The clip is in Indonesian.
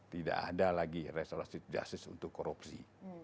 tidak ada lagi resolusi justice untuk korupsi